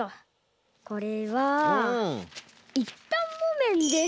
これはいったんもめんです。